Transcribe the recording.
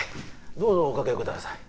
どうぞおかけください。